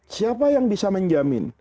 siapa yang bisa menjamin